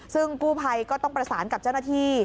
ซึ่งกู้ภัยก็ต้องประสานกับเจ้าหน้าที่